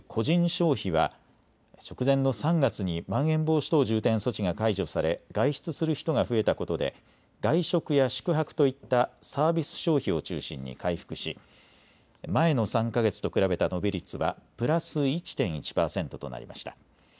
消費は直前の３月にまん延防止等重点措置が解除され外出する人が増えたことで外食や宿泊といったサービス消費を中心に回復し、前の３か月と比べた伸び率はプラス１．１％となりました。